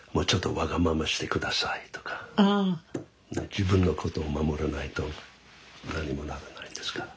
自分のことを守らないと何にもならないですから。